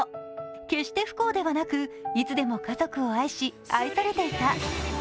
決して不幸ではなくいつでも家族を愛し愛されていた。